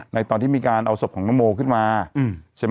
ตอนที่มีการเอาศพของน้องโมขึ้นมาใช่ไหม